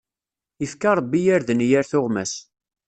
Ifka Ṛebbi irden i yir tuɣmas.